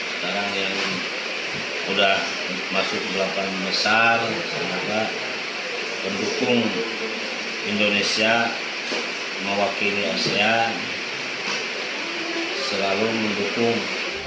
sekarang yang sudah masuk ke delapan besar sangatlah mendukung indonesia mewakili asia selalu mendukung